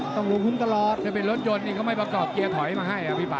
ต้องลุ้นตลอดถ้าเป็นรถยนต์นี่เขาไม่ประกอบเกียร์ถอยมาให้พี่ป่า